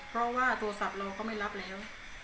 เพราะว่าโทรศัพท์เราก็ไม่รับแล้ว